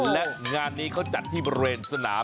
และงานนี้เขาจัดที่บริเวณสนาม